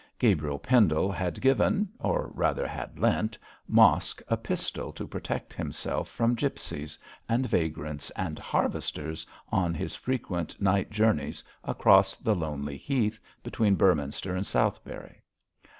Gabriel Pendle had given or rather, had lent Mosk a pistol to protect himself from gipsies, and vagrants, and harvesters on his frequent night journeys across the lonely heath between Beorminster and Southberry.